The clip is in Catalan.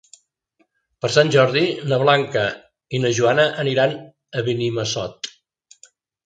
Per Sant Jordi na Blanca i na Joana aniran a Benimassot.